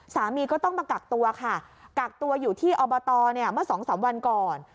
สามีก็ต้องมากักตัวค่ะกักตัวอยู่ที่อบตเนี่ยเมื่อสองสามวันก่อน